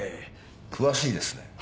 詳しいですね。